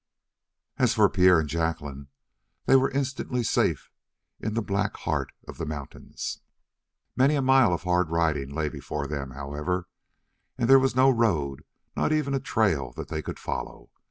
As for Pierre and Jacqueline, they were instantly safe in the black heart of the mountains. Many a mile of hard riding lay before them, however, and there was no road, not even a trail that they could follow.